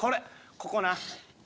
ここな。